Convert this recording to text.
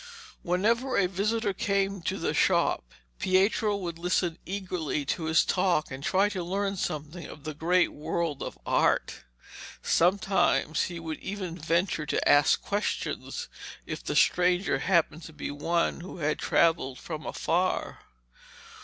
Whenever a visitor came to the shop, Pietro would listen eagerly to his talk and try to learn something of the great world of Art. Sometimes he would even venture to ask questions, if the stranger happened to be one who had travelled from afar.